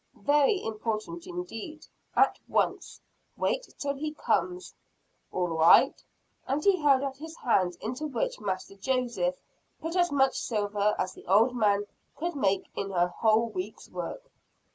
Very important indeed. At once. Wait till he comes." "All right." And he held out his hand, into which Master Joseph put as much silver as the old man could make in a whole week's work.